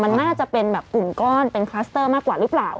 มันน่าจะเป็นแบบกลุ่มก้อนเป็นคลัสเตอร์มากกว่าหรือเปล่า